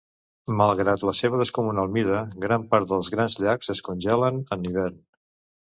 Malgrat la seva descomunal mida, gran part dels Grans Llacs es congelen en Hivern.